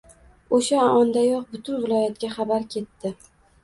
O‘sha ondayoq butun viloyatga xabar ketdi